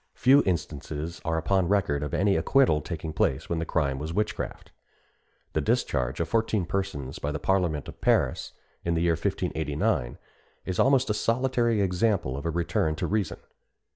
Few instances are upon record of any acquittal taking place when the crime was witchcraft. The discharge of fourteen persons by the parliament of Paris, in the year 1589, is almost a solitary example of a return to reason.